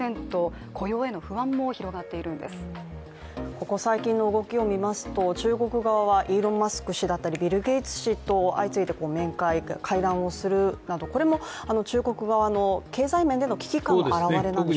ここ最近の動きを見ますと、中国側はイーロン・マスク氏だったりビル・ゲイツ氏と相次いで会談をする、これも中国側の経済面での危機感の表れなんですか？